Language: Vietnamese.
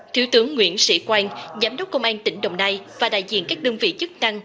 thiếu tướng nguyễn sĩ quang giám đốc công an tỉnh đồng nai và đại diện các đơn vị chức năng